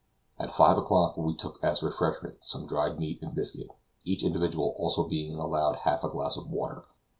At five o'clock we took as refreshment some dried meat and biscuit, each individual being also allowed half a glass of water.